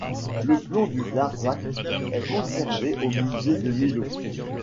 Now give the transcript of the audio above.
Le plomb du Larzac est conservé au musée de Millau.